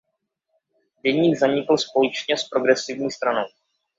Deník zanikl společně z Progresivní stranou.